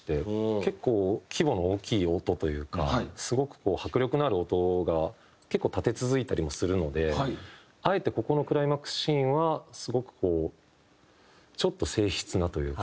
結構規模の大きい音というかすごく迫力のある音が結構立て続いたりもするのであえてここのクライマックスシーンはすごくこうちょっと静謐なというか。